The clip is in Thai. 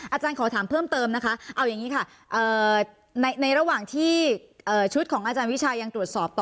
อาจารย์ขอถามเพิ่มเติมนะคะเอาอย่างนี้ค่ะในระหว่างที่ชุดของอาจารย์วิชายังตรวจสอบต่อ